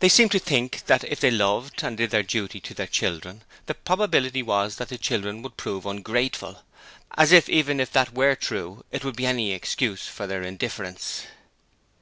They seemed to think that if they loved and did their duty to their children, the probability was that the children would prove ungrateful: as if even if that were true, it would be any excuse for their indifference.